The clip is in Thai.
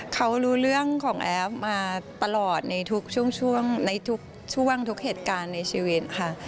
เขารู้เรื่องของแอฟมาตลอดในทุกช่วงในทุกช่วงทุกเหตุการณ์ในชีวิตค่ะ